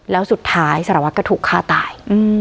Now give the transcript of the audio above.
แล้วสุดท้ายสารวัตรก็ถูกฆ่าตาย